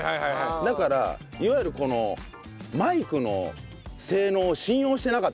だからいわゆるこのマイクの性能を信用してなかったというか。